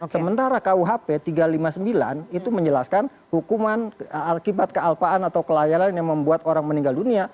sementara kuhp tiga ratus lima puluh sembilan itu menjelaskan hukuman akibat kealpaan atau kelayaran yang membuat orang meninggal dunia